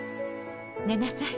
寝なさい。